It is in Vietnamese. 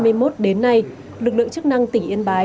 từ năm hai nghìn hai mươi một đến nay lực lượng chức năng tỉnh yên bái